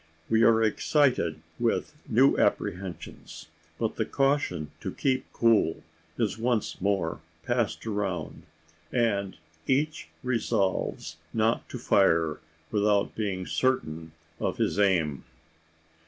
We are excited with, new apprehensions; but the caution to keep cool is once more passed around; and each resolves not to fire without being certain of his aim.